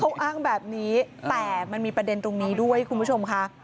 เขาอ้างแบบนี้แต่มันมีประเด็นตรงนี้ด้วยคุณผู้ชมค่ะ